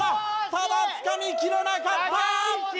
ただつかみきれなかった！